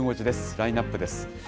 ラインナップです。